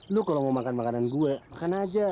lu kalau mau makan makanan gue makan aja